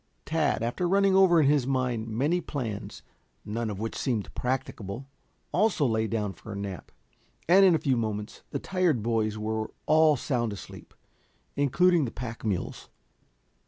Tad after running over in his mind many plans, none of which seemed practicable, also lay down for a nap, and in a few moments the tired boys were all sound asleep, including the pack mules.